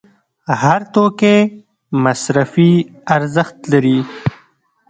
هر توکی مصرفي ارزښت لري.